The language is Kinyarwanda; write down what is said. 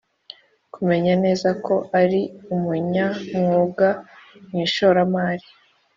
kumenya neza ko ari umunyamwuga mu ishoramari